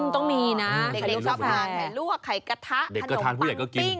ต้องมีนะ